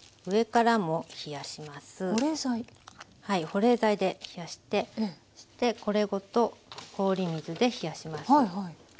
保冷剤で冷やしてこれごと氷水で冷やします。